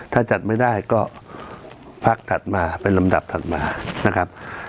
ถ้าจัดไม่ได้ก็พักถัดมาเป็นลำดับถัดมานะครับ